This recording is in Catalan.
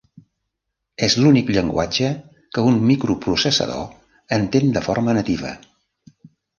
És l'únic llenguatge que un microprocessador entén de forma nativa.